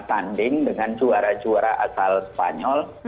tanding dengan juara juara asal spanyol